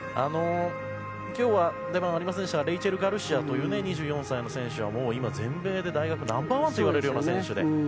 今日は出番はありませんでしたがレイチェル・ガルシアという２４歳の選手は今、全米で大学ナンバー１といわれる選手で。